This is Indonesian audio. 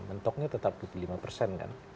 mentoknya tetap di lima persen